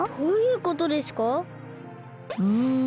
どういうことですか？